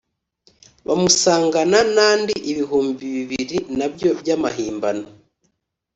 bamusangana n’andi ibihumbi bibiri nabyo by’amahimbano